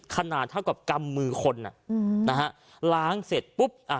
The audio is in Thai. ขนาดเท่ากับกำมือคนอ่ะอืมนะฮะล้างเสร็จปุ๊บอ่ะ